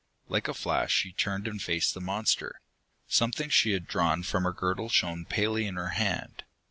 Like a flash she turned and faced the monster. Something she had drawn from her girdle shone palely in her hand.